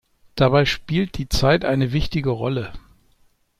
Dabei spielt die Zeit eine wichtige Rolle.